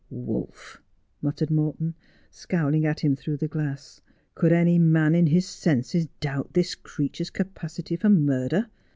' Wolf !' muttered Morton, scowling at him through the glass. ' Could any man in his senses doubt this creature's capacity for murder?